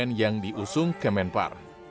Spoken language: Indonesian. brand yang diusung kemen pariwisata